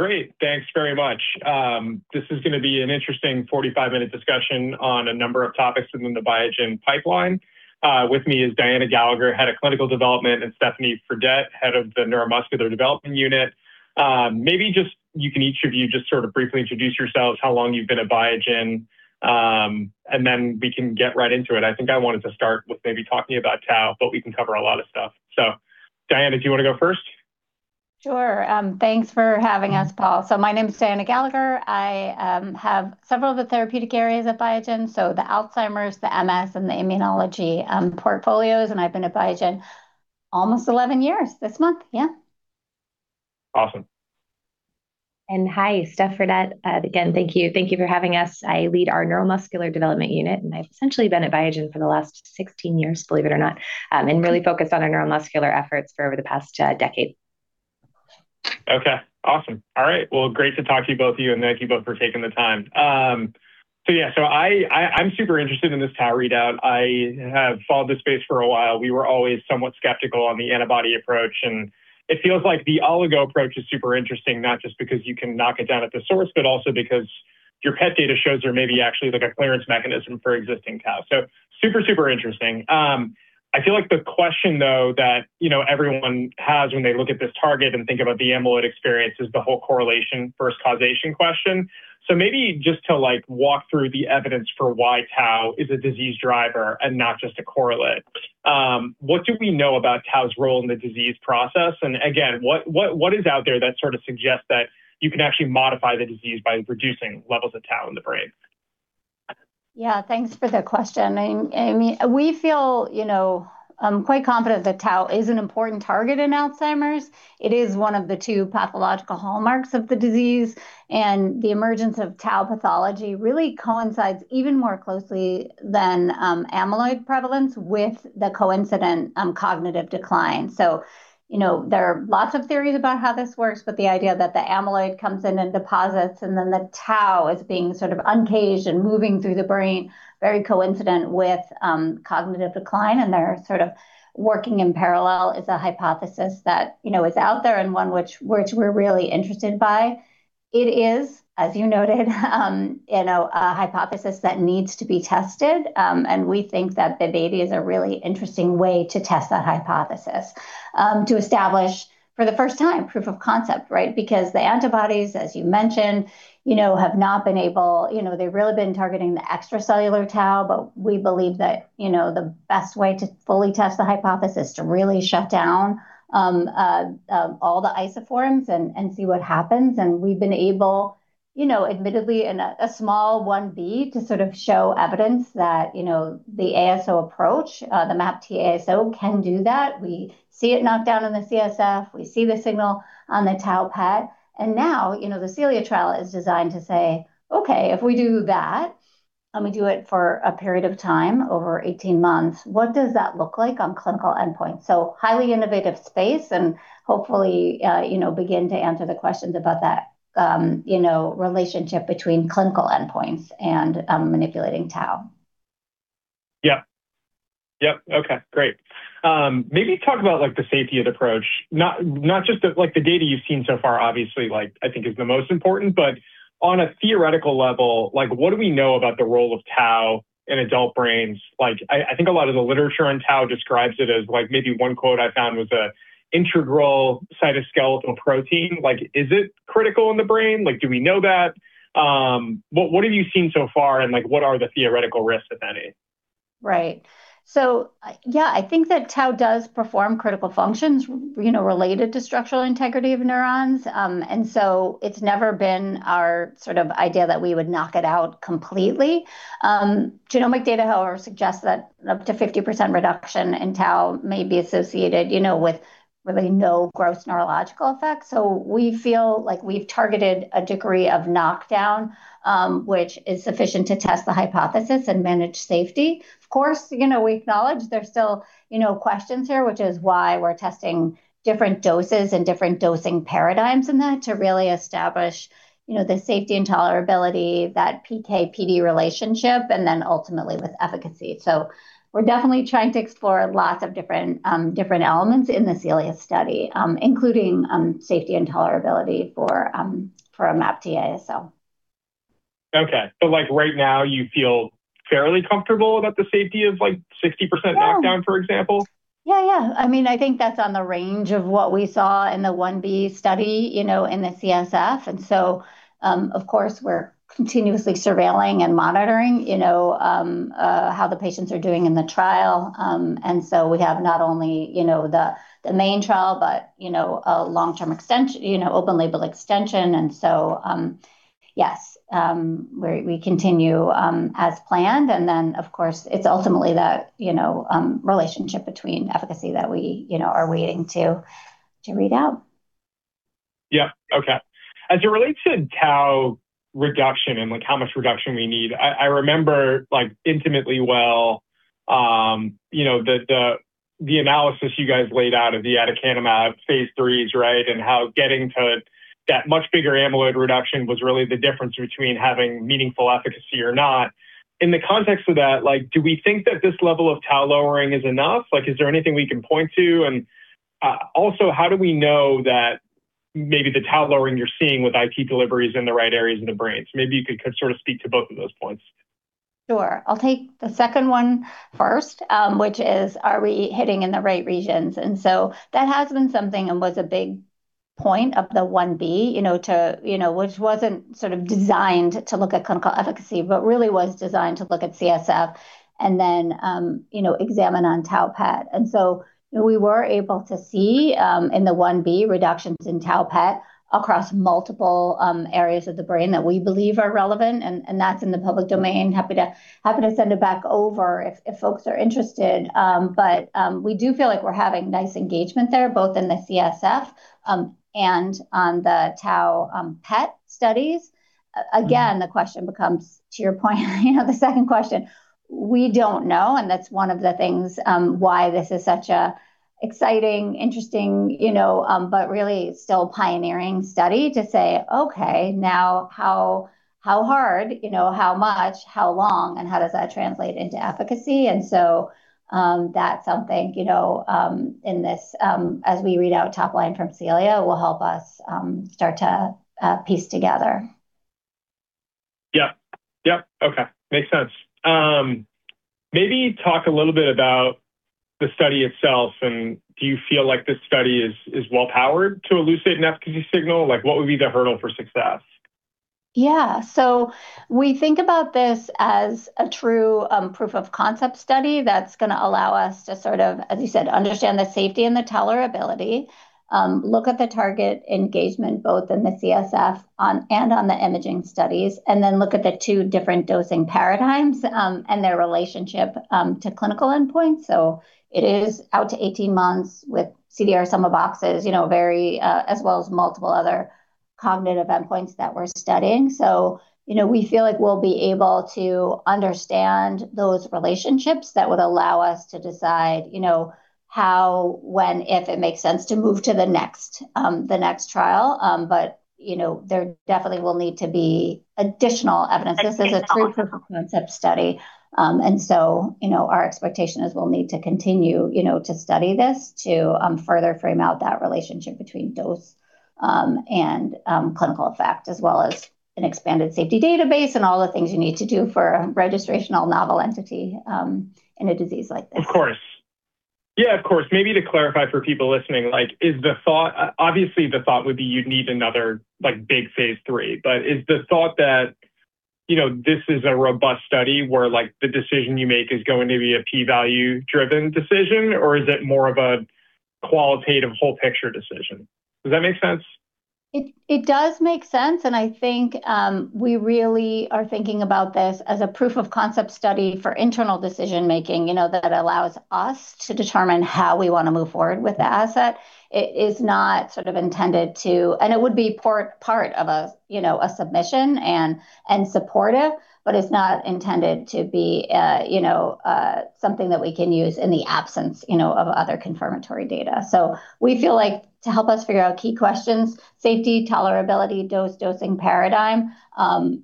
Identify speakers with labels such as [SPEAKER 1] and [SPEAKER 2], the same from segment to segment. [SPEAKER 1] Great. Thanks very much. This is gonna be an interesting 45-minute discussion on a number of topics within the Biogen pipeline. With me is Diana Gallagher, Head of Clinical Development, and Stephanie Fradette, Head of the Neuromuscular Development Unit. Maybe you can each just sort of briefly introduce yourselves, how long you've been at Biogen, and then we can get right into it. I think I wanted to start with maybe talking about tau, but we can cover a lot of stuff. Diana, do you wanna go first?
[SPEAKER 2] Sure. Thanks for having us, Paul. My name is Diana Gallagher. I have several of the therapeutic areas at Biogen, the Alzheimer's, the MS, and the immunology portfolios, and I've been at Biogen almost 11 years this month. Yeah.
[SPEAKER 1] Awesome.
[SPEAKER 3] Hi, Stephanie Fradette. Again, thank you. Thank you for having us. I lead our Neuromuscular Development Unit, and I've essentially been at Biogen for the last 16 years, believe it or not, and really focused on our neuromuscular efforts for over the past decade.
[SPEAKER 1] Okay, awesome. All right. Well, great to talk to you, both of you, and thank you both for taking the time. I'm super interested in this tau readout. I have followed this space for a while. We were always somewhat skeptical on the antibody approach, and it feels like the oligo approach is super interesting, not just because you can knock it down at the source, but also because your PET data shows there may be actually like a clearance mechanism for existing tau. Super, super interesting. I feel like the question, though, that, you know, everyone has when they look at this target and think about the amyloid experience is the whole correlation versus causation question. Maybe just to, like, walk through the evidence for why tau is a disease driver and not just a correlate. What do we know about tau's role in the disease process? Again, what is out there that sort of suggests that you can actually modify the disease by reducing levels of tau in the brain?
[SPEAKER 2] Yeah. Thanks for the question. I mean, we feel, you know, quite confident that tau is an important target in Alzheimer's. It is one of the two pathological hallmarks of the disease, and the emergence of tau pathology really coincides even more closely than amyloid prevalence with the coincident cognitive decline. You know, there are lots of theories about how this works, but the idea that the amyloid comes in and deposits and then the tau is being sort of uncaged and moving through the brain, very coincident with cognitive decline, and they're sort of working in parallel is a hypothesis that, you know, is out there and one which we're really interested by. It is, as you noted, you know, a hypothesis that needs to be tested, and we think that the BIIB is a really interesting way to test that hypothesis, to establish for the first time proof of concept, right? Because the antibodies, as you mentioned, you know, have not been. You know, they've really been targeting the extracellular tau, but we believe that, you know, the best way to fully test the hypothesis is to really shut down all the isoforms and see what happens. We've been able, you know, admittedly in a small 1b to sort of show evidence that, you know, the ASO approach, the BIIB080 can do that. We see it knocked down in the CSF, we see the signal on the tau PET, and now, you know, the CELIA trial is designed to say, "Okay, if we do that, and we do it for a period of time over 18 months, what does that look like on clinical endpoint?" Highly innovative space and hopefully, you know, begin to answer the questions about that, you know, relationship between clinical endpoints and manipulating tau.
[SPEAKER 1] Yeah. Yep. Okay, great. Maybe talk about, like, the safety of the approach. Not just the data you've seen so far obviously, like, I think is the most important, but on a theoretical level, like, what do we know about the role of tau in adult brains? Like, I think a lot of the literature on tau describes it as like maybe one quote I found was a integral cytoskeletal protein. Like, is it critical in the brain? Like, do we know that? What have you seen so far, and, like, what are the theoretical risks, if any?
[SPEAKER 2] Right. Yeah, I think that tau does perform critical functions you know, related to structural integrity of neurons. It's never been our sort of idea that we would knock it out completely. Genomic data, however, suggests that up to 50% reduction in tau may be associated, you know, with really no gross neurological effects. We feel like we've targeted a degree of knockdown, which is sufficient to test the hypothesis and manage safety. Of course, you know, we acknowledge there's still, you know, questions here, which is why we're testing different doses and different dosing paradigms in that to really establish, you know, the safety and tolerability, that PK/PD relationship, and then ultimately with efficacy. We're definitely trying to explore lots of different elements in the CELIA study, including safety and tolerability for a BIIB080.
[SPEAKER 1] Okay. Like, right now you feel fairly comfortable that the safety is, like, 60%.
[SPEAKER 2] Yeah
[SPEAKER 1] knockdown, for example?
[SPEAKER 2] Yeah, yeah. I mean, I think that's on the range of what we saw in the one B study, you know, in the CSF. Of course, we're continuously surveilling and monitoring, you know, how the patients are doing in the trial. We have not only, you know, the main trial but, you know, a long-term open label extension. Yes, we continue as planned, and then, of course, it's ultimately the, you know, relationship between efficacy that we, you know, are waiting to read out.
[SPEAKER 1] Yeah. Okay. As it relates to tau reduction and, like, how much reduction we need, I remember, like, intimately well, you know, the analysis you guys laid out of the aducanumab Phase 3s, right? How getting to that much bigger amyloid reduction was really the difference between having meaningful efficacy or not. In the context of that, like, do we think that this level of tau lowering is enough? Like, is there anything we can point to? Also, how do we know that maybe the tau lowering you're seeing with IT delivery is in the right areas in the brain? Maybe you could sort of speak to both of those points.
[SPEAKER 2] Sure. I'll take the second one first, which is, are we hitting in the right regions? That has been something and was a big point of the 1B, you know, to, you know, which wasn't sort of designed to look at clinical efficacy, but really was designed to look at CSF and then, you know, examine on tau PET. We were able to see, in the 1B, reductions in tau PET across multiple areas of the brain that we believe are relevant, and that's in the public domain. Happy to send it back over if folks are interested. We do feel like we're having nice engagement there, both in the CSF and on the tau PET studies. Again, the question becomes, to your point, you know, the second question, we don't know, and that's one of the things, why this is such an exciting, interesting, you know, but really still pioneering study to say, "Okay, now how hard, you know, how much, how long, and how does that translate into efficacy?" That's something, you know, in this, as we read out top line from CELIA will help us, start to, piece together.
[SPEAKER 1] Yeah. Yep. Okay. Makes sense. Maybe talk a little bit about the study itself, and do you feel like this study is well powered to elucidate an efficacy signal? Like, what would be the hurdle for success?
[SPEAKER 2] Yeah. We think about this as a true proof of concept study that's gonna allow us to sort of, as you said, understand the safety and the tolerability, look at the target engagement both in the CSF and on the imaging studies, and then look at the two different dosing paradigms, and their relationship to clinical endpoints. It is out to 18 months with CDR Sum of Boxes, you know, very, as well as multiple other cognitive endpoints that we're studying. You know, we feel like we'll be able to understand those relationships that would allow us to decide, you know, how, when, if it makes sense to move to the next, the next trial. But, you know, there definitely will need to be additional evidence. This is a true proof of concept study. You know, our expectation is we'll need to continue, you know, to study this to further frame out that relationship between dose and clinical effect, as well as an expanded safety database and all the things you need to do for a registrational novel entity in a disease like this.
[SPEAKER 1] Of course. Yeah, of course. Maybe to clarify for people listening, like, is the thought, obviously, you'd need another, like, big phase 3. But is the thought that, you know, this is a robust study where, like, the decision you make is going to be a p-value driven decision, or is it more of a qualitative whole picture decision? Does that make sense?
[SPEAKER 2] It does make sense, and I think we really are thinking about this as a proof of concept study for internal decision-making, you know, that allows us to determine how we wanna move forward with the asset. It is not sort of intended to. It would be part of a, you know, a submission and supportive, but it's not intended to be, you know, something that we can use in the absence, you know, of other confirmatory data. We feel like to help us figure out key questions, safety, tolerability, dose, dosing paradigm,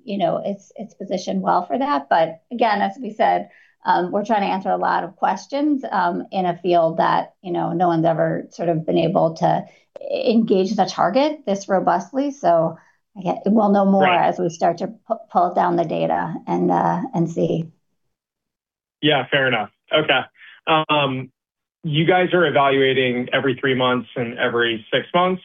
[SPEAKER 2] you know, it's positioned well for that. Again, as we said, we're trying to answer a lot of questions, in a field that, you know, no one's ever sort of been able to engage the target this robustly. Again, we'll know more.
[SPEAKER 1] Right.
[SPEAKER 2] As we start to pull down the data and see.
[SPEAKER 1] Yeah, fair enough. Okay. You guys are evaluating every 3 months and every 6 months.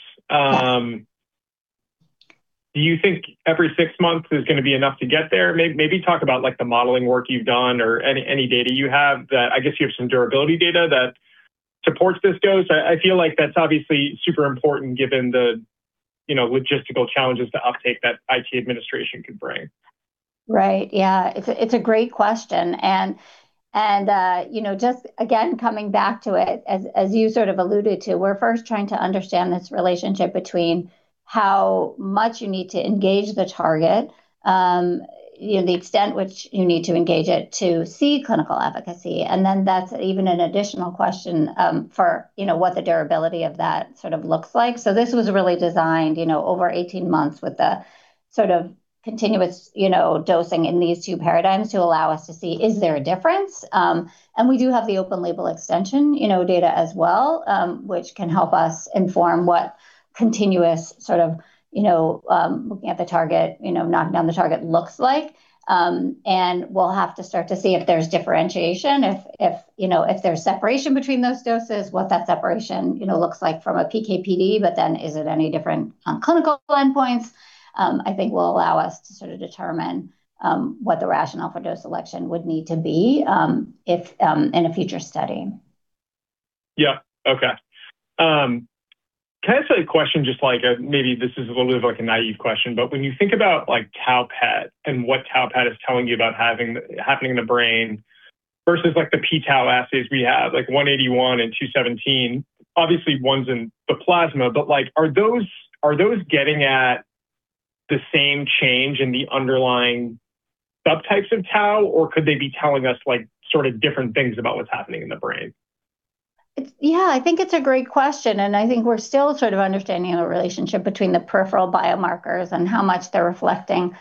[SPEAKER 1] Do you think every 6 months is gonna be enough to get there? Maybe talk about, like, the modeling work you've done or any data you have that I guess you have some durability data that supports this dose. I feel like that's obviously super important given the, you know, logistical challenges the uptake that IT administration could bring.
[SPEAKER 2] Right. Yeah. It's a great question. You know, just again, coming back to it, as you sort of alluded to, we're first trying to understand this relationship between how much you need to engage the target, you know, the extent which you need to engage it to see clinical efficacy. Then that's even an additional question, for, you know, what the durability of that sort of looks like. This was really designed, you know, over 18 months with the sort of continuous, you know, dosing in these two paradigms to allow us to see is there a difference. We do have the open label extension, you know, data as well, which can help us inform what continuous sort of, you know, looking at the target, you know, knocking down the target looks like. We'll have to start to see if there's differentiation, if you know, if there's separation between those doses, what that separation looks like from a PK/PD, but then is it any different on clinical endpoints. I think will allow us to sort of determine what the rationale for dose selection would need to be, if in a future study.
[SPEAKER 1] Yeah. Okay. Can I ask a question just like, maybe this is a little bit of like a naive question, but when you think about, like, tau PET and what tau PET is telling you about happening in the brain versus, like, the p-tau assays we have, like, 181 and 217, obviously one's in the plasma. But, like, are those getting at the same change in the underlying subtypes of tau, or could they be telling us, like, sort of different things about what's happening in the brain?
[SPEAKER 2] Yeah, I think it's a great question, and I think we're still sort of understanding the relationship between the peripheral biomarkers and how much they're reflecting,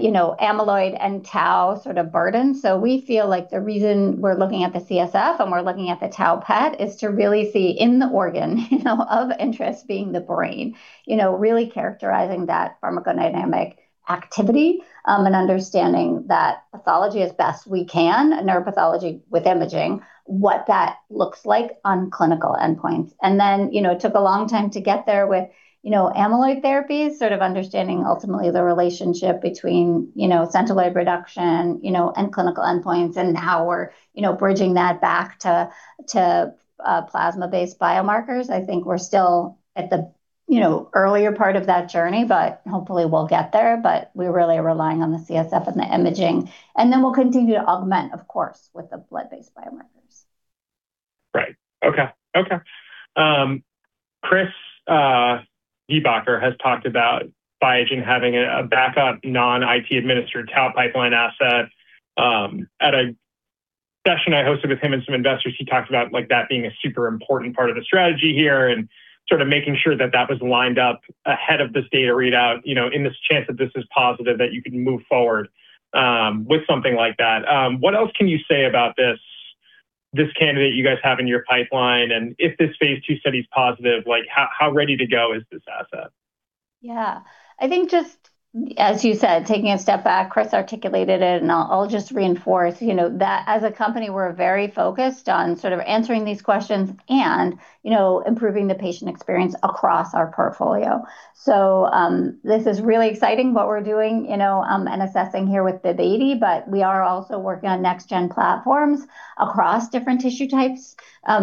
[SPEAKER 2] you know, amyloid and tau sort of burden. We feel like the reason we're looking at the CSF, and we're looking at the tau PET, is to really see in the organ, you know, of interest being the brain, you know, really characterizing that pharmacodynamic activity, and understanding that pathology as best we can, neuropathology with imaging, what that looks like on clinical endpoints. It took a long time to get there with, you know, amyloid therapies, sort of understanding ultimately the relationship between, you know, central amyloid reduction, you know, and clinical endpoints and how we're, you know, bridging that back to plasma-based biomarkers. I think we're still at the, you know, earlier part of that journey, but hopefully we'll get there, but we're really relying on the CSF and the imaging. We'll continue to augment, of course, with the blood-based biomarkers.
[SPEAKER 1] Okay. Chris Viehbacher has talked about Biogen having a backup non-IT administered tau pipeline asset. At a session I hosted with him and some investors, he talked about, like, that being a super important part of the strategy here and sort of making sure that that was lined up ahead of this data readout, you know, in this chance that this is positive that you can move forward with something like that. What else can you say about this candidate you guys have in your pipeline? And if this Phase 2 study is positive, like, how ready to go is this asset?
[SPEAKER 2] Yeah. I think just as you said, taking a step back, Chris articulated it, and I'll just reinforce, you know, that as a company, we're very focused on sort of answering these questions and, you know, improving the patient experience across our portfolio. This is really exciting what we're doing, you know, and assessing here with the data, but we are also working on next gen platforms across different tissue types,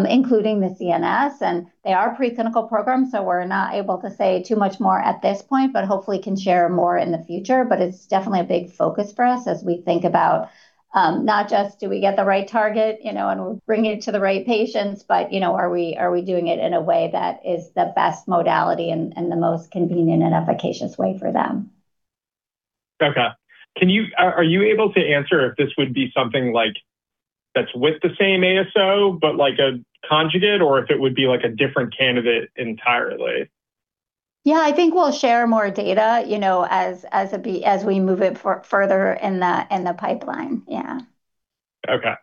[SPEAKER 2] including the CNS, and they are preclinical programs, so we're not able to say too much more at this point, but hopefully can share more in the future. It's definitely a big focus for us as we think about not just do we get the right target, you know, and we're bringing it to the right patients, but, you know, are we doing it in a way that is the best modality and the most convenient and efficacious way for them.
[SPEAKER 1] Okay. Are you able to answer if this would be something like that's with the same ASO, but like a conjugate, or if it would be like a different candidate entirely?
[SPEAKER 2] Yeah. I think we'll share more data, you know, as we move it further in the pipeline. Yeah.
[SPEAKER 1] Okay.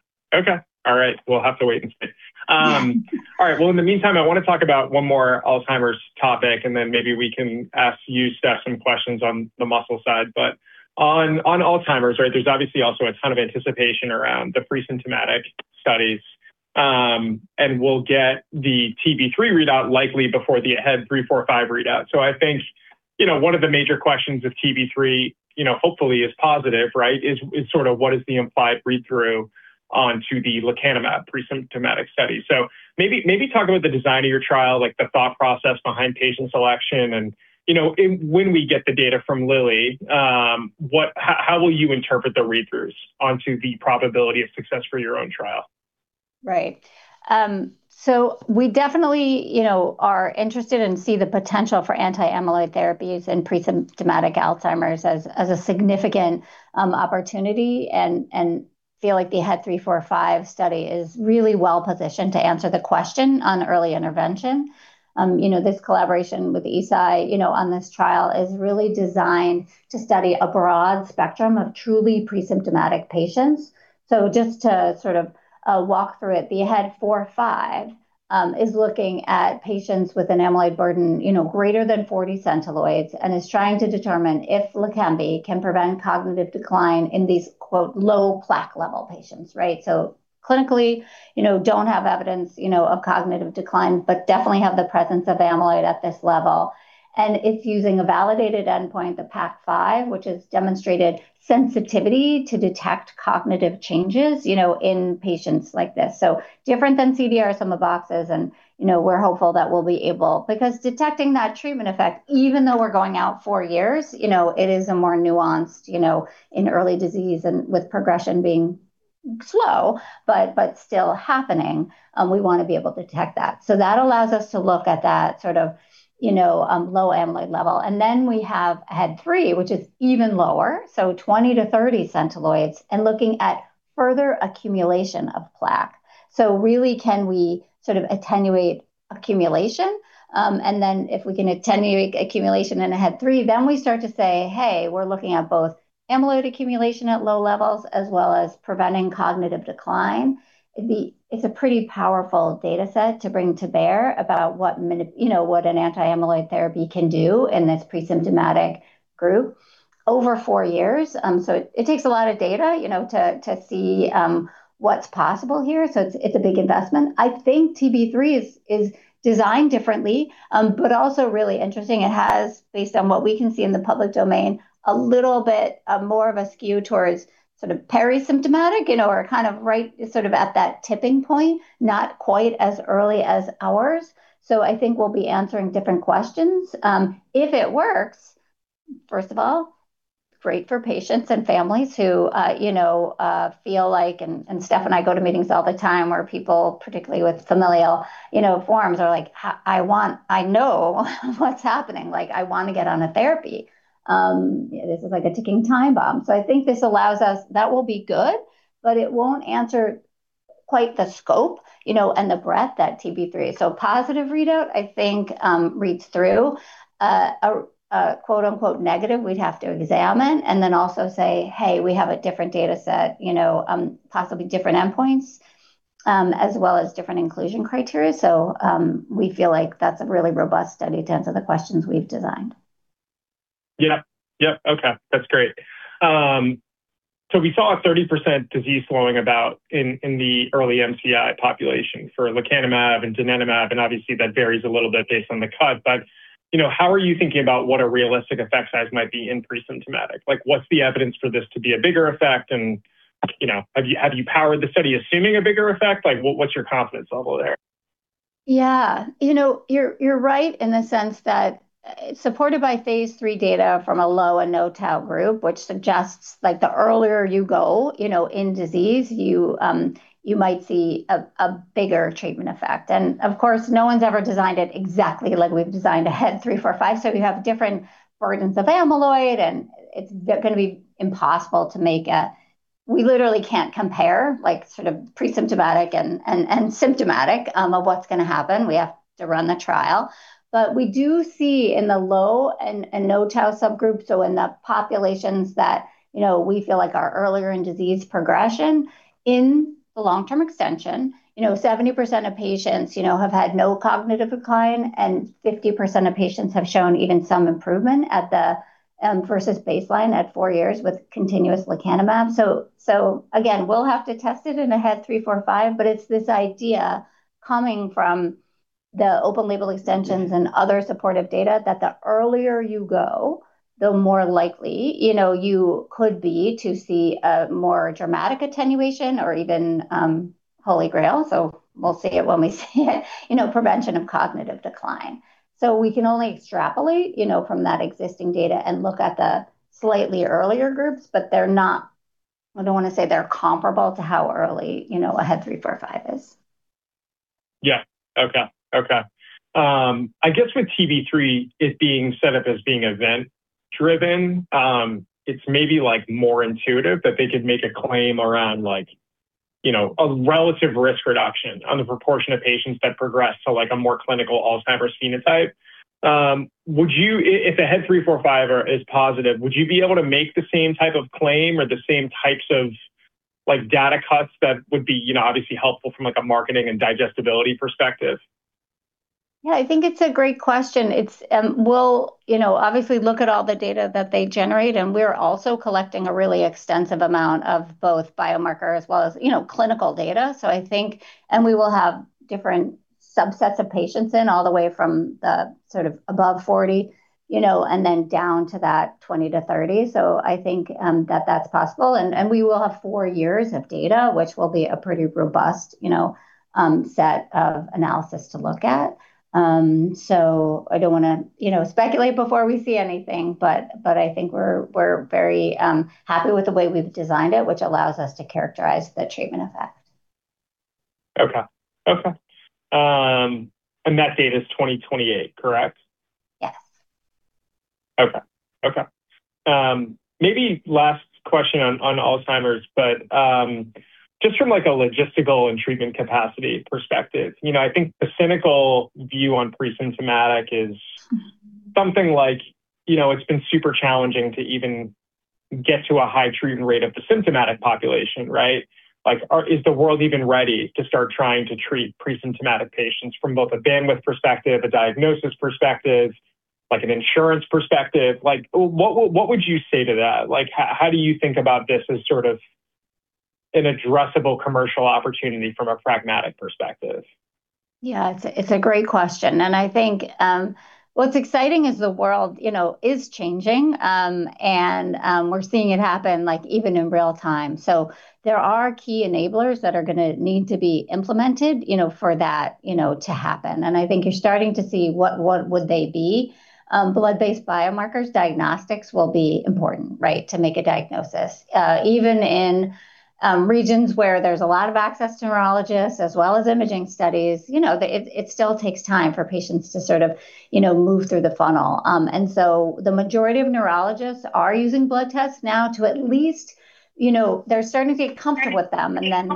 [SPEAKER 1] All right. We'll have to wait and see. All right. Well, in the meantime, I wanna talk about one more Alzheimer's topic, and then maybe we can ask you, Steph, some questions on the muscle side. But on Alzheimer's, right, there's obviously also a ton of anticipation around the pre-symptomatic studies. And we'll get the TB-3 readout likely before the AHEAD 3-45 readout. I think, you know, one of the major questions if TB-3, you know, hopefully is positive, right, is sort of what is the implied read-through onto the lecanemab pre-symptomatic study. Maybe talk about the design of your trial, like the thought process behind patient selection. And, you know, when we get the data from Lilly, what, how will you interpret the read-throughs onto the probability of success for your own trial?
[SPEAKER 2] Right. We definitely, you know, are interested and see the potential for anti-amyloid therapies in pre-symptomatic Alzheimer's as a significant opportunity and feel like the AHEAD 3-45 study is really well-positioned to answer the question on early intervention. You know, this collaboration with Eisai, you know, on this trial is really designed to study a broad spectrum of truly pre-symptomatic patients. Just to sort of walk through it, the A45 is looking at patients with an amyloid burden, you know, greater than 40 centiloids and is trying to determine if Leqembi can prevent cognitive decline in these, quote, low plaque level patients, right? Clinically, you know, don't have evidence, you know, of cognitive decline, but definitely have the presence of amyloid at this level. It's using a validated endpoint, the PACC5, which has demonstrated sensitivity to detect cognitive changes, you know, in patients like this. Different than CDR Sum of Boxes and, you know, we're hopeful that we'll be able to detect that treatment effect, even though we're going out four years, you know, it is a more nuanced, you know, in early disease and with progression being slow, but still happening, we wanna be able to detect that. That allows us to look at that sort of, you know, low amyloid level. We have AHEAD 3, which is even lower, so 20-30 Centiloids, and looking at further accumulation of plaque. Really, can we sort of attenuate accumulation? If we can attenuate accumulation in AHEAD 3, then we start to say, "Hey, we're looking at both amyloid accumulation at low levels as well as preventing cognitive decline." It's a pretty powerful data set to bring to bear about you know, what an anti-amyloid therapy can do in this pre-symptomatic group over 4 years. It takes a lot of data, you know, to see what's possible here. It's a big investment. I think TRAILBLAZER-ALZ 3 is designed differently, but also really interesting. It has, based on what we can see in the public domain, a little bit more of a skew towards sort of pre-symptomatic, you know, or kind of right sort of at that tipping point, not quite as early as ours. I think we'll be answering different questions. If it works, first of all, great for patients and families who, you know, feel like. Steph and I go to meetings all the time where people, particularly with familial, you know, forms, are like, "I want. I know what's happening. Like, I wanna get on a therapy." This is like a ticking time bomb. I think that will be good, but it won't answer quite the scope, you know, and the breadth at TRAILBLAZER-ALZ 3. Positive readout, I think, reads through. A quote-unquote negative we'd have to examine and then also say, "Hey, we have a different data set," you know, possibly different endpoints, as well as different inclusion criteria. We feel like that's a really robust study to answer the questions we've designed.
[SPEAKER 1] Yeah. Yep. Okay. That's great. We saw a 30% disease slowing in the early MCI population for lecanemab and donanemab, and obviously that varies a little bit based on the cut. You know, how are you thinking about what a realistic effect size might be in pre-symptomatic? Like, what's the evidence for this to be a bigger effect and, you know, have you powered the study assuming a bigger effect? Like, what's your confidence level there?
[SPEAKER 2] Yeah. You know, you're right in the sense that supported by phase 3 data from a low and no tau group, which suggests like the earlier you go, you know, in disease, you might see a bigger treatment effect. Of course, no one's ever designed it exactly like we've designed AHEAD 3-45. You have different burdens of amyloid, and it's gonna be impossible to make. We literally can't compare like sort of pre-symptomatic and symptomatic of what's gonna happen. We have to run the trial. We do see in the low and no tau subgroup, so in the populations that, you know, we feel like are earlier in disease progression, in the long-term extension, you know, 70% of patients, you know, have had no cognitive decline, and 50% of patients have shown even some improvement versus baseline at 4 years with continuous lecanemab. So again, we'll have to test it in AHEAD 3-45, but it's this idea coming from the open label extensions and other supportive data that the earlier you go, the more likely, you know, you could be to see a more dramatic attenuation or even holy grail. So we'll see it when we see it, you know, prevention of cognitive decline. We can only extrapolate, you know, from that existing data and look at the slightly earlier groups, but they're not. I don't wanna say they're comparable to how early, you know, AHEAD 3-45 is.
[SPEAKER 1] Yeah. Okay. Okay. I guess with TRAILBLAZER-ALZ 3, it being set up as being event-driven, it's maybe like more intuitive that they could make a claim around like, you know, a relative risk reduction on the proportion of patients that progress to like a more clinical Alzheimer's phenotype. Would you, if AHEAD 3-45 is positive, be able to make the same type of claim or the same types of, like, data cuts that would be, you know, obviously helpful from like a marketing and digestibility perspective?
[SPEAKER 2] Yeah, I think it's a great question. We'll, you know, obviously look at all the data that they generate, and we're also collecting a really extensive amount of both biomarker as well as, you know, clinical data. I think we will have different subsets of patients all the way from the sort of above 40, you know, and then down to that 20 to 30. I think that's possible. We will have 4 years of data, which will be a pretty robust, you know, set of analysis to look at. I don't wanna, you know, speculate before we see anything, but I think we're very happy with the way we've designed it, which allows us to characterize the treatment effect.
[SPEAKER 1] Okay. That date is 2028, correct?
[SPEAKER 2] Yes.
[SPEAKER 1] Okay, maybe last question on Alzheimer's, but just from like a logistical and treatment capacity perspective, you know, I think the cynical view on pre-symptomatic is something like, you know, it's been super challenging to even get to a high treatment rate of the symptomatic population, right? Like, is the world even ready to start trying to treat pre-symptomatic patients from both a bandwidth perspective, a diagnosis perspective, like an insurance perspective? Like, what would you say to that? Like, how do you think about this as sort of an addressable commercial opportunity from a pragmatic perspective?
[SPEAKER 2] Yeah, it's a great question. I think what's exciting is the world, you know, is changing, and we're seeing it happen like even in real-time. There are key enablers that are gonna need to be implemented, you know, for that, you know, to happen. I think you're starting to see what would they be. Blood-based biomarkers, diagnostics will be important, right, to make a diagnosis. Even in regions where there's a lot of access to neurologists as well as imaging studies, you know, it still takes time for patients to sort of, you know, move through the funnel. The majority of neurologists are using blood tests now to at least, you know, they're starting to get comfortable with them and then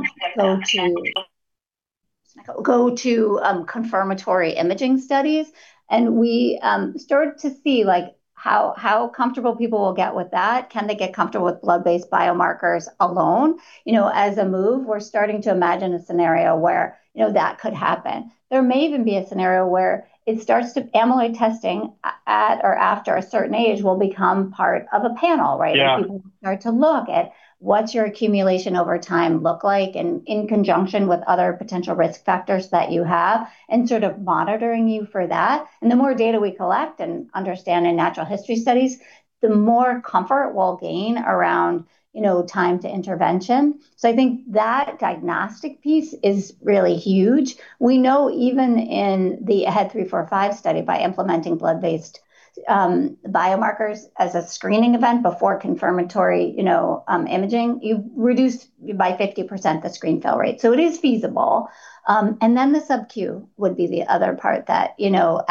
[SPEAKER 2] go to confirmatory imaging studies. We start to see like how comfortable people will get with that. Can they get comfortable with blood-based biomarkers alone? You know, as we move, we're starting to imagine a scenario where, you know, that could happen. There may even be a scenario where amyloid testing at or after a certain age will become part of a panel, right?
[SPEAKER 1] Yeah.
[SPEAKER 2] People will start to look at what's your accumulation over time look like and in conjunction with other potential risk factors that you have and sort of monitoring you for that. The more data we collect and understand in natural history studies, the more comfort we'll gain around, you know, time to intervention. I think that diagnostic piece is really huge. We know even in the AHEAD 3-45 study by implementing blood-based biomarkers as a screening event before confirmatory, you know, imaging, you reduce by 50% the screen fail rate. It is feasible. Then the sub-Q would be the other part that, you know,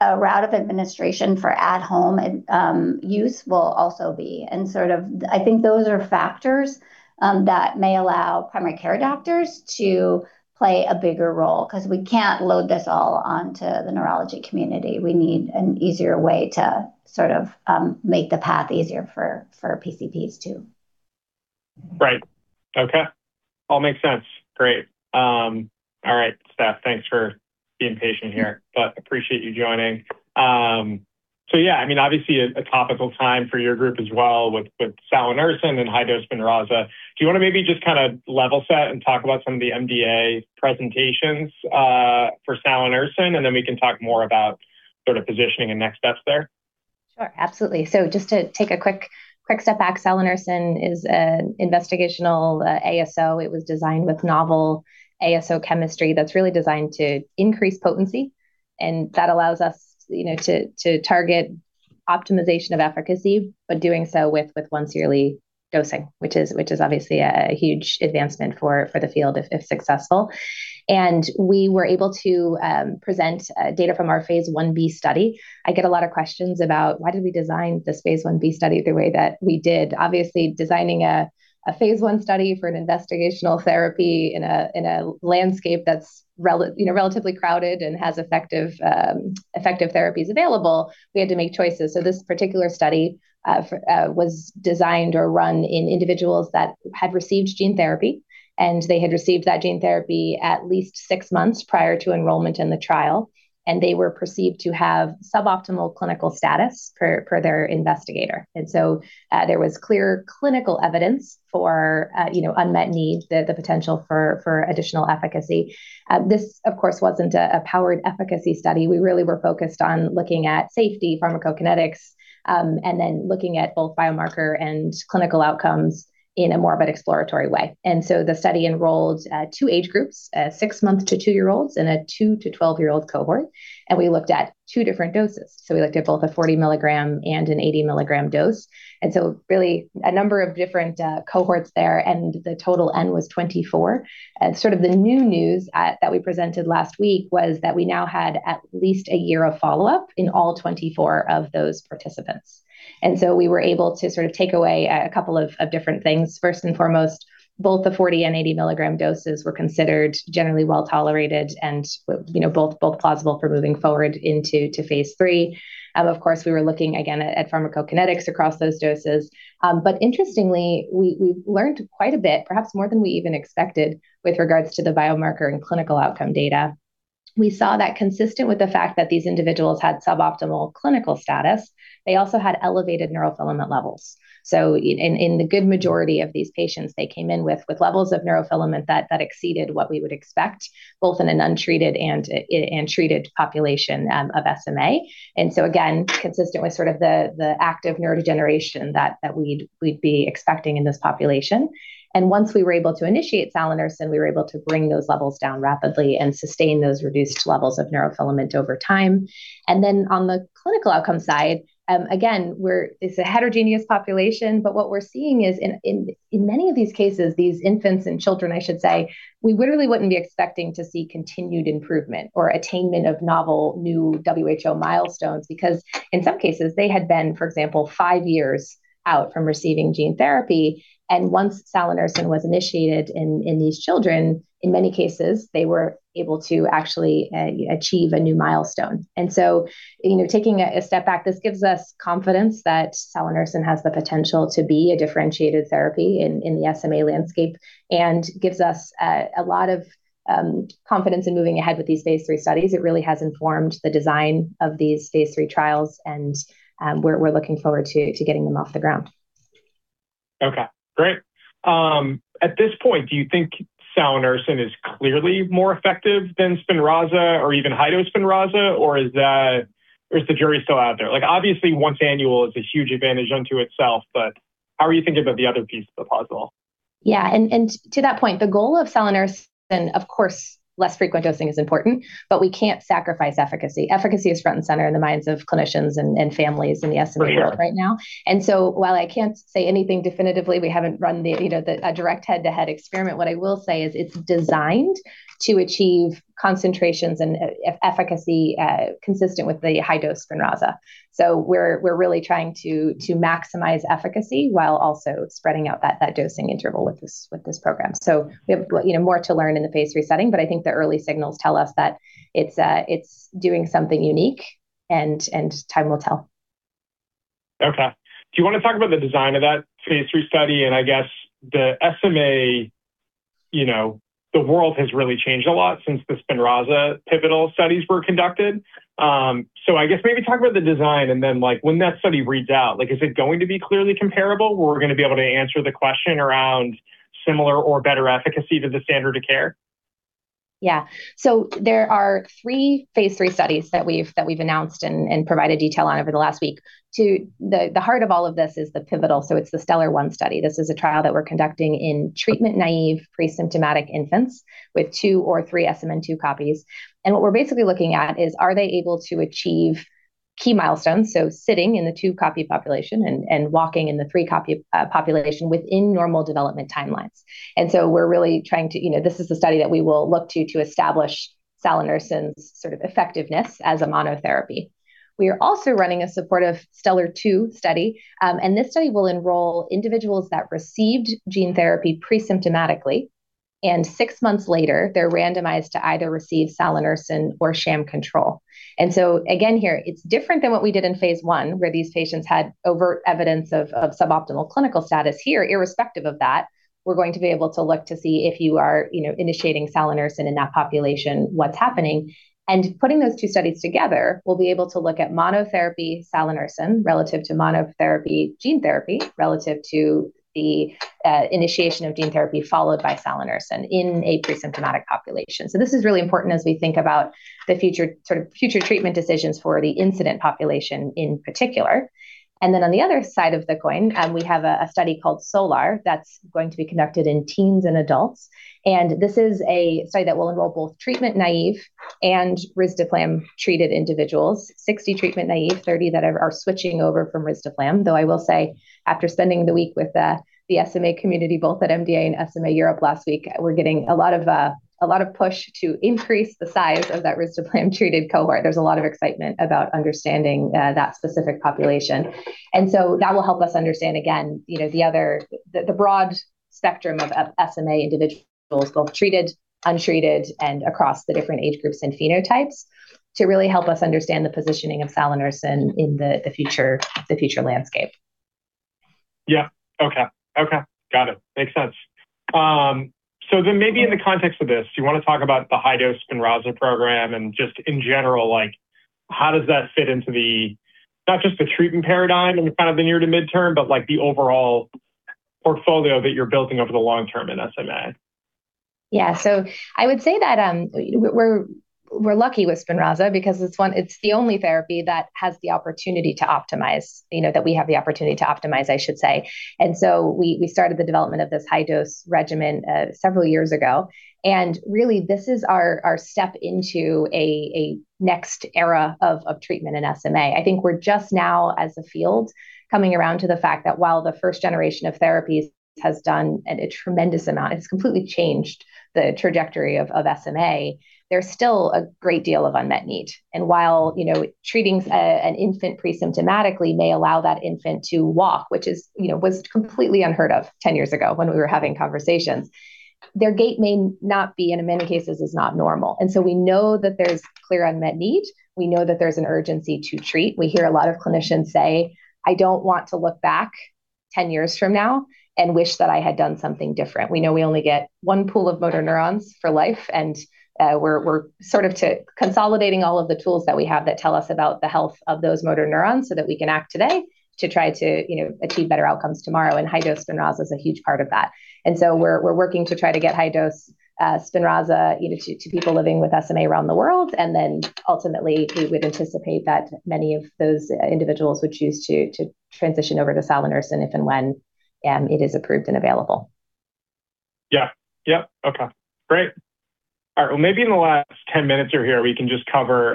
[SPEAKER 2] a route of administration for at home use will also be. Sort of, I think those are factors that may allow primary care doctors to play a bigger role 'cause we can't load this all onto the neurology community. We need an easier way to sort of make the path easier for PCPs too.
[SPEAKER 1] Right. Okay. All makes sense. Great. All right, Steph, thanks for being patient here. I appreciate you joining. Yeah, I mean, obviously a topical time for your group as well with salanersen and high-dose Spinraza. Do you wanna maybe just kinda level set and talk about some of the MDA presentations for salanersen, and then we can talk more about sort of positioning and next steps there?
[SPEAKER 3] Sure. Absolutely. Just to take a quick step back, salanersen is an investigational ASO. It was designed with novel ASO chemistry that's really designed to increase potency, and that allows us, you know, to target optimization of efficacy, but doing so with once-yearly dosing, which is obviously a huge advancement for the field if successful. We were able to present data from our phase 1b study. I get a lot of questions about why did we design this phase 1b study the way that we did? Obviously, designing a phase 1 study for an investigational therapy in a landscape that's relatively crowded and has effective therapies available, we had to make choices. This particular study was designed or run in individuals that had received gene therapy, and they had received that gene therapy at least 6 months prior to enrollment in the trial, and they were perceived to have suboptimal clinical status per their investigator. There was clear clinical evidence for, you know, unmet need, the potential for additional efficacy. This, of course, wasn't a powered efficacy study. We really were focused on looking at safety, pharmacokinetics, and then looking at both biomarker and clinical outcomes in a more of an exploratory way. The study enrolled two age groups, 6-month- to 2-year-olds and a 2- to 12-year-old cohort, and we looked at two different doses. We looked at both a 40 mg and an 80 mg dose. Really a number of different cohorts there, and the total N was 24. Sort of the new news that we presented last week was that we now had at least a year of follow-up in all 24 of those participants. We were able to sort of take away a couple of different things. First and foremost, both the 40 and 80 milligram doses were considered generally well-tolerated, and you know, both plausible for moving forward into phase 3. Of course, we were looking again at pharmacokinetics across those doses. But interestingly, we learned quite a bit, perhaps more than we even expected, with regards to the biomarker and clinical outcome data. We saw that consistent with the fact that these individuals had suboptimal clinical status, they also had elevated neurofilament levels. In the good majority of these patients, they came in with levels of Neurofilament that exceeded what we would expect, both in an untreated and treated population of SMA. Again, consistent with sort of the active neurodegeneration that we'd be expecting in this population. Once we were able to initiate salanersen, we were able to bring those levels down rapidly and sustain those reduced levels of Neurofilament over time. Then on the clinical outcome side, again, we're It's a heterogeneous population, but what we're seeing is in many of these cases, these infants and children, I should say, we literally wouldn't be expecting to see continued improvement or attainment of novel new developmental milestones because in some cases, they had been, for example, five years out from receiving gene therapy, and once salanersen was initiated in these children, in many cases, they were able to actually achieve a new milestone. You know, taking a step back, this gives us confidence that salanersen has the potential to be a differentiated therapy in the SMA landscape and gives us a lot of confidence in moving ahead with these Phase 3 studies. It really has informed the design of these Phase 3 trials, and we're looking forward to getting them off the ground.
[SPEAKER 1] Okay. Great. At this point, do you think salanersen is clearly more effective than Spinraza or even high-dose Spinraza, or is that, is the jury still out there? Like, obviously, once annual is a huge advantage unto itself, but how are you thinking about the other piece of the puzzle?
[SPEAKER 3] Yeah. To that point, the goal of salanersen, of course, less frequent dosing is important, but we can't sacrifice efficacy. Efficacy is front and center in the minds of clinicians and families in the SMA world right now. While I can't say anything definitively, we haven't run, you know, a direct head-to-head experiment, what I will say is it's designed to achieve concentrations and efficacy consistent with the high-dose Spinraza. We're really trying to maximize efficacy while also spreading out that dosing interval with this program. We have, you know, more to learn in the Phase 3 setting, but I think the early signals tell us that it's doing something unique and time will tell.
[SPEAKER 1] Okay. Do you wanna talk about the design of that Phase 3 study? I guess the SMA, you know, the world has really changed a lot since the Spinraza pivotal studies were conducted. I guess maybe talk about the design, and then, like, when that study reads out, like, is it going to be clearly comparable, where we're gonna be able to answer the question around similar or better efficacy to the standard of care?
[SPEAKER 3] Yeah. There are three Phase 3 studies that we've announced and provided detail on over the last week. The heart of all of this is the pivotal STELLAR-1 study. This is a trial that we're conducting in treatment-naive presymptomatic infants with two or three SMN2 copies. What we're basically looking at is, are they able to achieve key milestones, sitting in the two-copy population and walking in the three-copy population within normal development timelines. You know, this is a study that we will look to establish salanersen's effectiveness as a monotherapy. We are also running a supportive STELLAR-2 study, and this study will enroll individuals that received gene therapy presymptomatically. Six months later, they're randomized to either receive salanersen or sham control. Again here, it's different than what we did in phase one, where these patients had overt evidence of suboptimal clinical status. Here, irrespective of that, we're going to be able to look to see if you are, you know, initiating salanersen in that population, what's happening. Putting those two studies together, we'll be able to look at monotherapy salanersen relative to monotherapy gene therapy, relative to the initiation of gene therapy followed by salanersen in a presymptomatic population. This is really important as we think about the future sort of future treatment decisions for the infant population in particular. Then on the other side of the coin, we have a study called SOLAR that's going to be conducted in teens and adults, and this is a study that will involve both treatment naive and risdiplam-treated individuals. 60 treatment naive, 30 that are switching over from risdiplam. Though I will say after spending the week with the SMA community both at MDA and SMA Europe last week, we're getting a lot of push to increase the size of that risdiplam-treated cohort. There's a lot of excitement about understanding that specific population. That will help us understand again, you know, the broad spectrum of SMA individuals, both treated, untreated, and across the different age groups and phenotypes to really help us understand the positioning of salanersen in the future landscape.
[SPEAKER 1] Yeah. Okay. Got it. Makes sense. Maybe in the context of this, do you wanna talk about the high-dose Spinraza program and just in general, like how does that fit into the not just the treatment paradigm in kind of the near to midterm, but like the overall portfolio that you're building over the long term in SMA?
[SPEAKER 3] Yeah. I would say that, we're lucky with Spinraza because it's the only therapy that has the opportunity to optimize, you know, that we have the opportunity to optimize, I should say. We started the development of this high-dose regimen several years ago, and really this is our step into a next era of treatment in SMA. I think we're just now as a field coming around to the fact that while the first generation of therapies has done a tremendous amount, it's completely changed the trajectory of SMA. There's still a great deal of unmet need. While, you know, treating an infant presymptomatically may allow that infant to walk, which is, you know, was completely unheard of 10 years ago when we were having conversations, their gait may not be, and in many cases is not normal. We know that there's clear unmet need. We know that there's an urgency to treat. We hear a lot of clinicians say, "I don't want to look back 10 years from now and wish that I had done something different." We know we only get one pool of motor neurons for life, and we're sort of consolidating all of the tools that we have that tell us about the health of those motor neurons so that we can act today to try to, you know, achieve better outcomes tomorrow, and high-dose Spinraza is a huge part of that. We're working to try to get high-dose Spinraza, you know, to people living with SMA around the world. Ultimately we would anticipate that many of those individuals would choose to transition over to salanersen if and when it is approved and available.
[SPEAKER 1] Yeah. Yep. Okay. Great. All right. Well, maybe in the last 10 minutes you're here, we can just cover,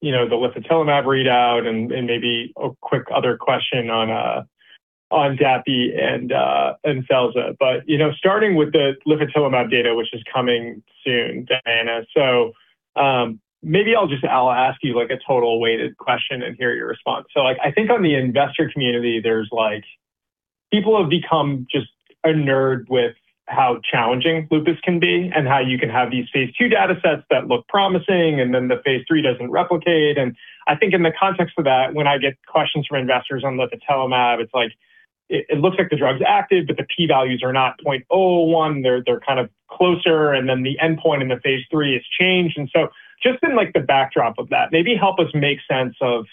[SPEAKER 1] you know, the litifilimab readout and maybe a quick other question on DAPI and Celsa. You know, starting with the litifilimab data, which is coming soon, Diana. Maybe I'll ask you like a totally loaded question and hear your response. Like I think on the investor community, there's like people have become just enamored with how challenging lupus can be and how you can have these Phase 2 datasets that look promising, and then the Phase 3 doesn't replicate. I think in the context of that, when I get questions from investors on litifilimab, it's like it looks like the drug's active, but the P values are not point oh one. They're kind of closer, and then the endpoint in the Phase 3 is changed. Just in like the backdrop of that, maybe help us make sense of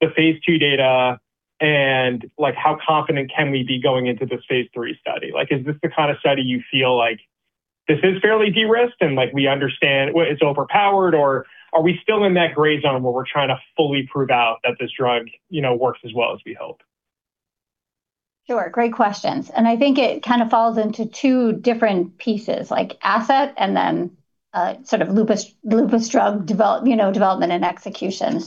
[SPEAKER 1] the phase 2 data and like how confident can we be going into this Phase 3 study? Like is this the kind of study you feel like this is fairly de-risked, and like we understand it's overpowered, or are we still in that gray zone where we're trying to fully prove out that this drug, you know, works as well as we hope?
[SPEAKER 2] Sure. Great questions. I think it kind of falls into two different pieces, like asset and then sort of lupus drug development and execution.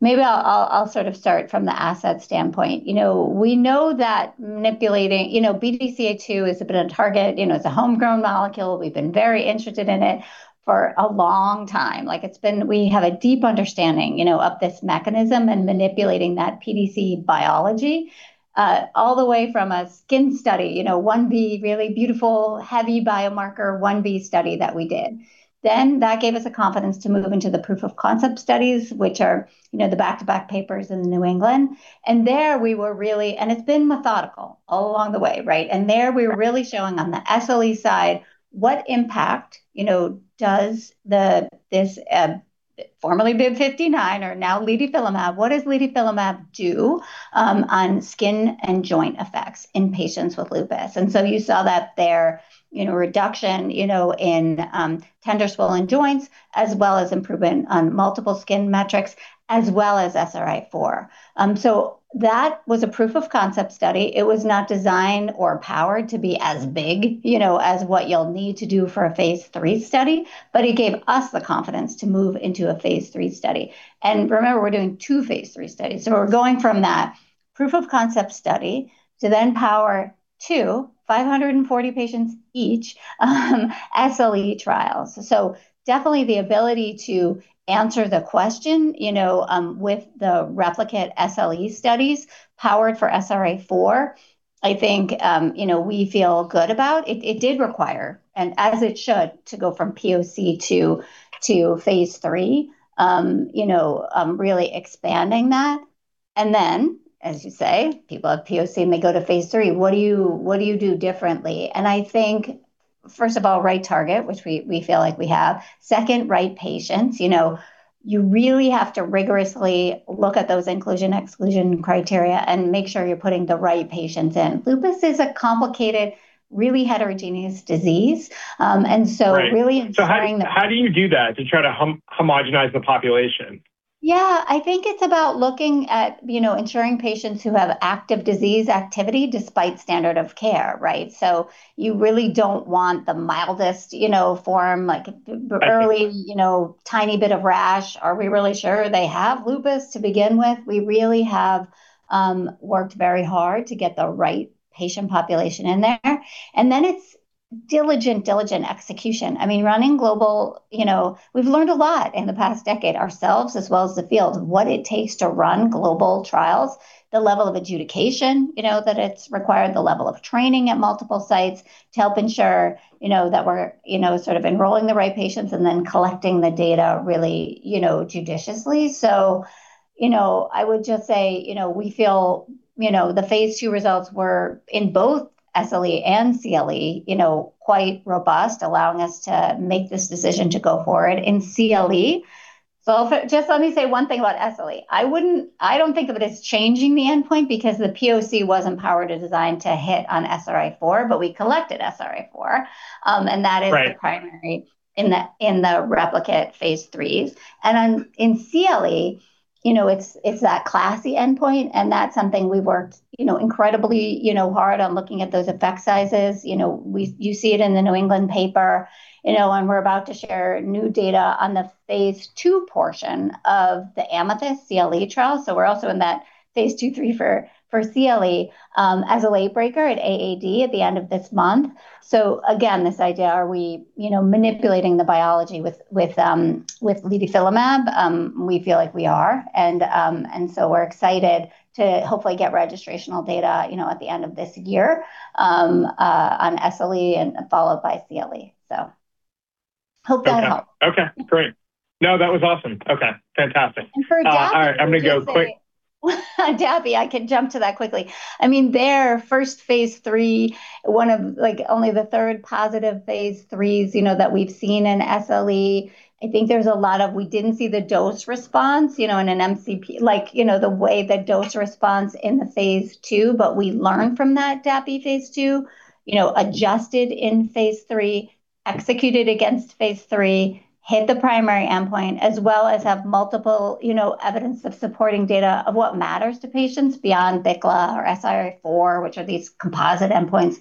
[SPEAKER 2] Maybe I'll sort of start from the asset standpoint. You know, we know that manipulating BDCA2 has been a target. You know, it's a homegrown molecule. We've been very interested in it for a long time. Like it's been. We have a deep understanding, you know, of this mechanism and manipulating that PDC biology all the way from a skin study. You know, 1B, really beautiful, heavy biomarker, 1B study that we did. Then that gave us the confidence to move into the proof of concept studies, which are, you know, the back-to-back papers in New England. There we were really. It's been methodical all along the way, right? There we're really showing on the SLE side what impact, you know, does this formerly BIIB059 or now litifilimab, what does litifilimab do on skin and joint effects in patients with lupus? You saw that there, you know, reduction, you know, in tender, swollen joints as well as improvement on multiple skin metrics as well as SRI-4. That was a proof of concept study. It was not designed or powered to be as big, you know, as what you'll need to do for a Phase 3 study, but it gave us the confidence to move into a Phase 3 study. Remember, we're doing 2 Phase 3 studies. We're going from that proof of concept study to then power 2,540 patients each SLE trials. Definitely the ability to answer the question, you know, with the replicate SLE studies powered for SRI-4, I think, you know, we feel good about. It did require, and as it should, to go from POC to phase three, you know, really expanding that. Then, as you say, people have POC, and they go to phase three. What do you do differently? I think, first of all, right target, which we feel like we have. Second, right patients. You know, you really have to rigorously look at those inclusion/exclusion criteria and make sure you're putting the right patients in. Lupus is a complicated, really heterogeneous disease.
[SPEAKER 1] Right
[SPEAKER 2] really ensuring that.
[SPEAKER 1] How do you do that to try to homogenize the population?
[SPEAKER 2] Yeah. I think it's about looking at, you know, ensuring patients who have active disease activity despite standard of care, right? You really don't want the mildest, you know, form, like the early.
[SPEAKER 1] Okay
[SPEAKER 2] You know, tiny bit of rash. Are we really sure they have lupus to begin with? We really have worked very hard to get the right patient population in there. It's diligent execution. I mean. You know, we've learned a lot in the past decade ourselves as well as the field, what it takes to run global trials, the level of adjudication, you know, that it's required, the level of training at multiple sites to help ensure, you know, that we're, you know, sort of enrolling the right patients and then collecting the data really, you know, judiciously. You know, I would just say, you know, we feel, you know, the Phase 2 results were in both SLE and CLE, you know, quite robust, allowing us to make this decision to go forward in CLE. Just let me say one thing about SLE. I don't think of it as changing the endpoint because the POC wasn't powered or designed to hit on SRI-4, but we collected SRI-4.
[SPEAKER 1] Right
[SPEAKER 2] The primary in the replicate Phase 3s. In CLE, you know, it's that CLASI endpoint, and that's something we've worked, you know, incredibly, you know, hard on looking at those effect sizes. You know, you see it in the New England paper, you know, and we're about to share new data on the phase 2 portion of the AMETHYST CLE trial. We're also in that Phase 2, 3 for CLE as a late breaker at AAD at the end of this month. This idea, are we, you know, manipulating the biology with levofilimab? We feel like we are. We're excited to hopefully get registrational data, you know, at the end of this year on SLE followed by CLE. Hope that helped.
[SPEAKER 1] Okay. Okay, great. No, that was awesome. Okay, fantastic.
[SPEAKER 2] For DAPI.
[SPEAKER 1] All right. I'm gonna go quick.
[SPEAKER 2] DAPI, I can jump to that quickly. I mean, their first phase three, one of only the third positive phase threes, you know, that we've seen in SLE. I think there's a lot of. We didn't see the dose response, you know, in an MCP-Mod. Like, you know the way the dose response in the phase two, but we learned from that DAPI phase two, you know, adjusted in phase three, executed against phase three, hit the primary endpoint, as well as have multiple, you know, evidence of supporting data of what matters to patients beyond BICLA or SRI-4, which are these composite endpoints.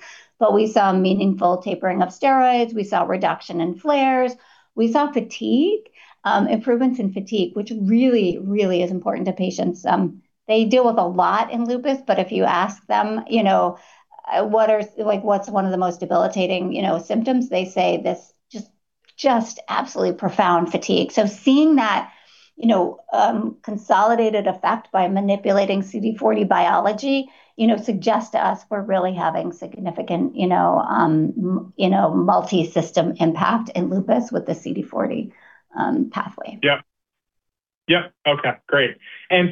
[SPEAKER 2] We saw meaningful tapering of steroids. We saw reduction in flares. We saw fatigue improvements in fatigue, which really is important to patients. They deal with a lot in lupus, but if you ask them, you know, like, what's one of the most debilitating, you know, symptoms, they say this just absolutely profound fatigue. Seeing that, you know, consolidated effect by manipulating CD40 biology, you know, suggests to us we're really having significant, you know, multisystem impact in lupus with the CD40 pathway.
[SPEAKER 1] Yep. Yep. Okay, great.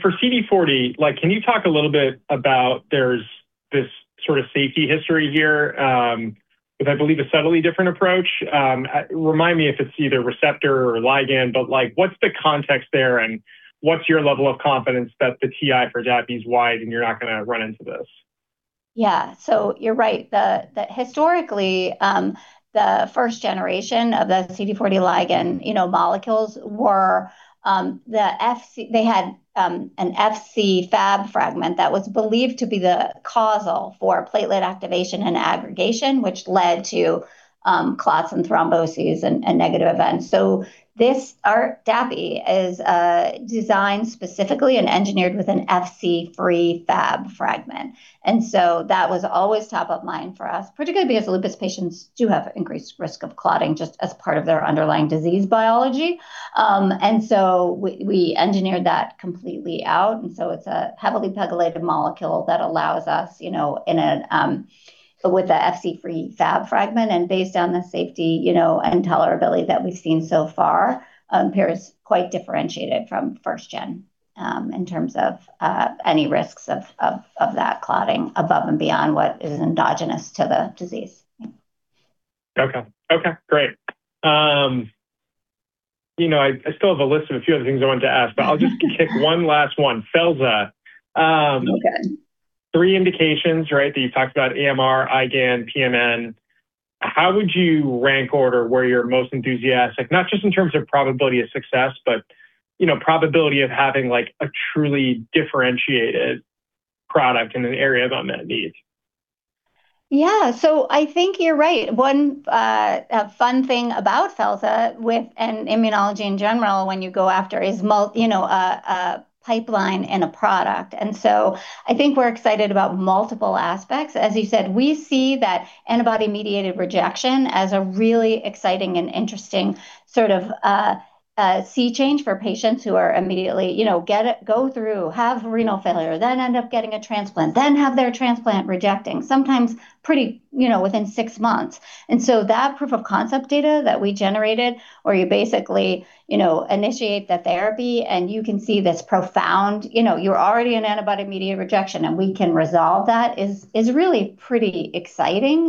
[SPEAKER 1] For CD40, like, can you talk a little bit about there's this sort of safety history here, with, I believe, a subtly different approach. Remind me if it's either receptor or ligand, but, like, what's the context there, and what's your level of confidence that the TI for DAPI is wide and you're not gonna run into this?
[SPEAKER 2] You're right. Historically, the first generation of the CD40 ligand, you know, molecules were. They had an Fc Fab fragment that was believed to be the causative for platelet activation and aggregation, which led to clots and thromboses and negative events. Our DAPI is designed specifically and engineered with an Fc-silent Fab fragment. That was always top of mind for us, particularly because lupus patients do have increased risk of clotting just as part of their underlying disease biology. We engineered that completely out, and so it's a heavily pegylated molecule that allows us, you know, with a Fc-silent Fab fragment. Based on the safety, you know, and tolerability that we've seen so far, appears quite differentiated from first gen, in terms of any risks of that clotting above and beyond what is endogenous to the disease. Yeah.
[SPEAKER 1] Okay. Okay, great. You know, I still have a list of a few other things I wanted to ask, but I'll kick one last one. Felza.
[SPEAKER 2] Okay.
[SPEAKER 1] Three indications, right, that you talked about AMR, IgAN, PMN. How would you rank order where you're most enthusiastic, not just in terms of probability of success, but, you know, probability of having, like, a truly differentiated product in an area of unmet need?
[SPEAKER 2] Yeah. I think you're right. One, a fun thing about Felza within immunology in general when you go after is multiple, you know, a pipeline and a product. I think we're excited about multiple aspects. As you said, we see that antibody-mediated rejection as a really exciting and interesting sort of sea change for patients who are immediately, you know, go through, have renal failure, then end up getting a transplant, then have their transplant rejecting, sometimes pretty, you know, within 6 months. That proof of concept data that we generated where you basically, you know, initiate the therapy, and you can see this profound. You know, you're already in antibody-mediated rejection, and we can resolve that is really pretty exciting.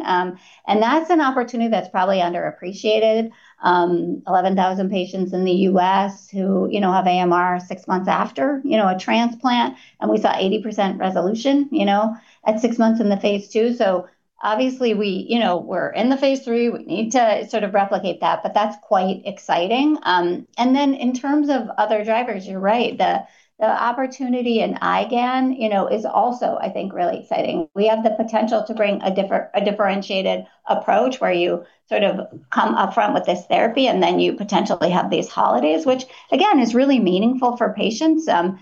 [SPEAKER 2] That's an opportunity that's probably underappreciated. 11,000 patients in the U.S. who, you know, have AMR six months after, you know, a transplant, and we saw 80% resolution, you know, at six months in the Phase 2. Obviously we, you know, we're in the Phase 3. We need to sort of replicate that, but that's quite exciting. Then in terms of other drivers, you're right. The, the opportunity in IgAN, you know, is also, I think, really exciting. We have the potential to bring a differentiated approach where you sort of come upfront with this therapy, and then you potentially have these holidays, which again is really meaningful for patients, to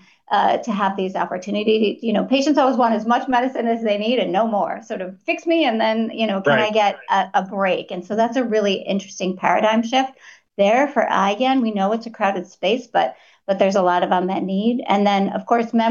[SPEAKER 2] have these opportunity. You know, patients always want as much medicine as they need and no more. Sort of fix me, and then, you know-
[SPEAKER 1] Right
[SPEAKER 2] Can I get a break? That's a really interesting paradigm shift there for IgAN. We know it's a crowded space, but there's a lot of unmet need. Then, of course, membranous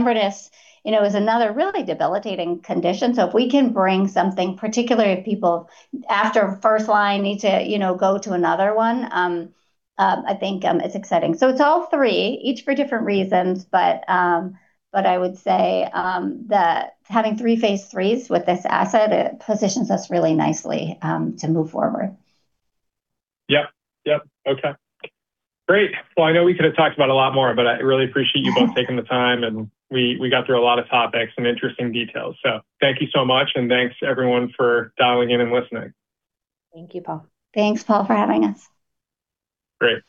[SPEAKER 2] nephritis, you know, is another really debilitating condition. If we can bring something, particularly if people after first line need to, you know, go to another one, I think it's exciting. It's all three, each for different reasons, but I would say that having three Phase 3s with this asset, it positions us really nicely to move forward.
[SPEAKER 1] Yep. Yep. Okay. Great. Well, I know we could have talked about a lot more, but I really appreciate you both taking the time, and we got through a lot of topics and interesting details. Thank you so much, and thanks everyone for dialing in and listening. Thank you, Paul.
[SPEAKER 2] Thanks, Paul, for having us.
[SPEAKER 1] Great